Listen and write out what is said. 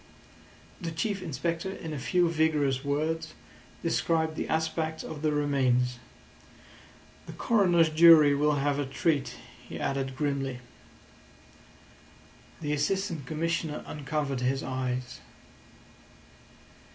The Chief Inspector in a few vigorous words described the aspect of the remains. "The coroner's jury will have a treat," he added grimly. The Assistant Commissioner uncovered his eyes.